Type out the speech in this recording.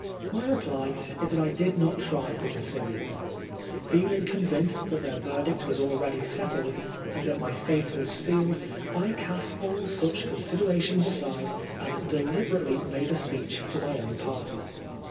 My reply is that I did not try to conciliate them. Feeling convinced that their verdict was already settled, and that my fate was sealed, I cast all such considerations aside, and deliberately made a speech for my own party.